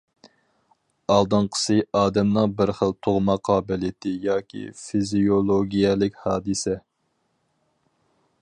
ئالدىنقىسى ئادەمنىڭ بىر خىل تۇغما قابىلىيىتى ياكى فىزىيولوگىيەلىك ھادىسە.